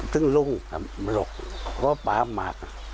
ถึงรุ่งลบปลามาก